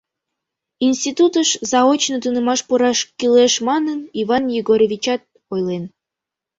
Институтыш заочно тунемаш пураш кӱлеш манын, Иван Егоровичат ойлен.